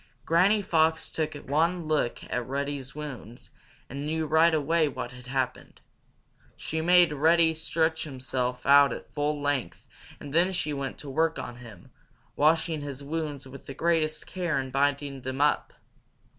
Granny Fox took one look at Reddy's wounds, and knew right away what had happened. She made Reddy stretch himself out at full length and then she went to work on him, washing his wounds with the greatest care and binding them up.